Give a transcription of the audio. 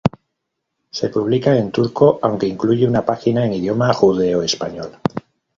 Se publica en turco, aunque incluye una página en idioma judeoespañol.